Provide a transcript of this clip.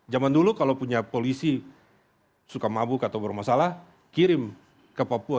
zaman dulu kalau punya polisi suka mabuk atau bermasalah kirim ke papua